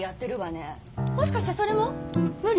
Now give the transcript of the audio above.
もしかしてそれも無理？